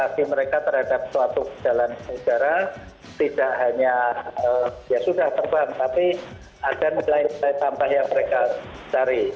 pasti mereka terhadap suatu kejalanan sejarah tidak hanya ya sudah terbang tapi ada nilai nilai tampah yang mereka cari